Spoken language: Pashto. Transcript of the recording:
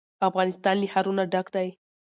افغانستان له ښارونه ډک دی.